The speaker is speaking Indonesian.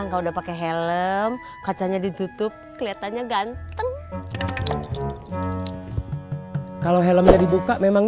gak tau juga kang